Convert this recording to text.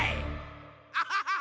アハハハ！